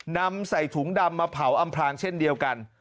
นำใส่ถุงดำมาเผาอำพลางเช่นเดียวกัน